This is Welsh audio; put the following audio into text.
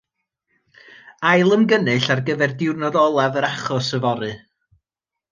Ailymgynnull ar gyfer diwrnod olaf yr achos yfory.